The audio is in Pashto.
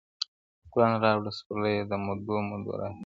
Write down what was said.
ګلان راوړه سپرلیه د مودو مودو راهیسي,